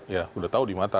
ya sudah tahu di mata